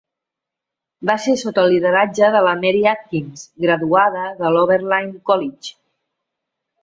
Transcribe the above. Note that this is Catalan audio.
Va ser sota el lideratge de la Mary Atkins, graduada de l'Oberlin College.